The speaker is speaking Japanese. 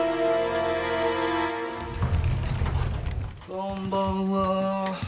こんばんは。